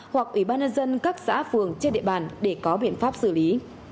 hoặc ủy ban nhân dân các xã phường trên địa bàn để có biện pháp xử lý